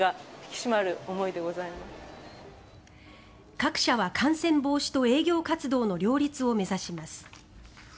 各社は感染防止と営業活動の両立を目指します。